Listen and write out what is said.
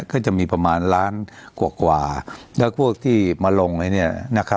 ก็จะมีประมาณล้านกว่าแล้วพวกที่มาลงไว้เนี่ยนะครับ